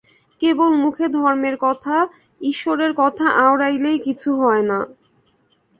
কেবল মুখে ধর্মের কথা, ঈশ্বরের কথা আওড়াইলেই কিছু হয় না।